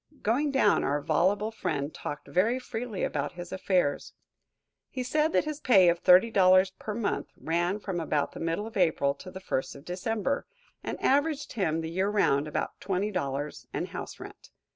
Going down, our voluble friend talked very freely about his affairs. He said that his pay of $30 per month ran from about the middle of April to the first of December, and averaged him, the year round, about $20 and house rent.